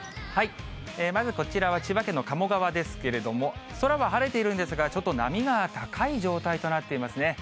まずこちらは、千葉県の鴨川ですけれども、空は晴れているんですが、ちょっと波が高い状態となっていますね。